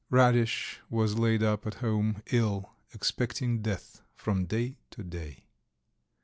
Radish was laid up at home ill, expecting death from day to day.